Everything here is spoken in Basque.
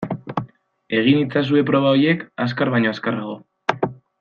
Egin itzazue proba horiek azkar baino azkarrago.